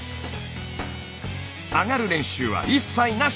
上がる練習は一切なし！